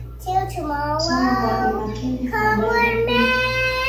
Soma kwa umakini Habari hii.